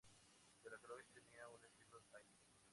Delacroix tenía un estudio ahí.